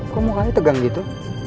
kok mukanya tegang gitu